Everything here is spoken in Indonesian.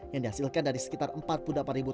yang dihasilkan dari sekitar empat tahun